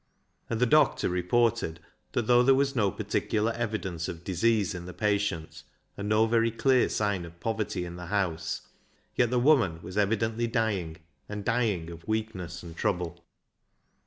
And the doctor reported that though there was no particular evidence of disease in the patient, and no very clear sign of poverty in the house, yet the woman was evidently dying, and dying of weakness and trouble.